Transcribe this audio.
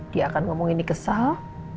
dia akan ngomong ini kesal